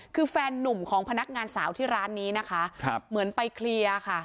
คือแฟนนุ่มของพนักงานสาวที่ร้านนี้นะคะเหมือนไปเคลียร์ค่ะ